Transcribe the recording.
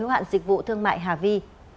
hiệu hạn dịch vụ thương mại hà vi